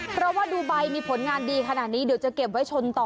เพราะว่าดูใบมีผลงานดีขนาดนี้เดี๋ยวจะเก็บไว้ชนต่อ